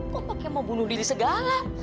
pokoknya mau bunuh diri segala